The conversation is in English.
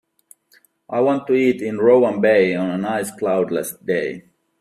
I want to eat in Rowan Bay on a nice cloud less day